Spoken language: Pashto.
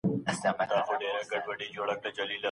که موږ له ماڼۍ څخه ډګر ته وړاندي لاړ سو، ښه ده.